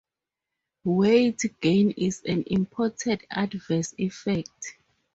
Weight gain is an important adverse effect.